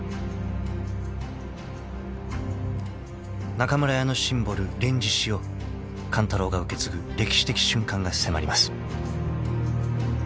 ［中村屋のシンボル『連獅子』を勘太郎が受け継ぐ歴史的瞬間が迫ります］